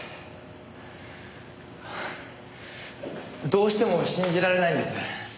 どうしても信じられないんです。